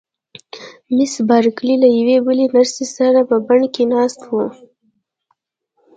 مس بارکلي له یوې بلې نرسې سره په بڼ کې ناسته وه.